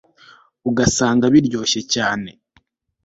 ugasanga biryoshye cyane